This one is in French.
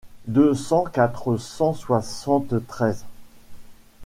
deux cent quatre cent soixante-treize.